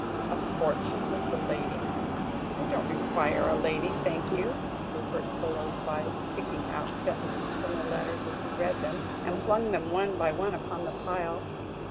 "A fortune with the lady? I don't require the lady, thank you," Rupert soliloquised, picking, out sentences from the letters as he read them, and flung them one by one upon the pile.